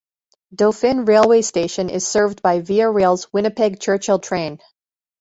Dauphin railway station is served by Via Rail's Winnipeg-Churchill train.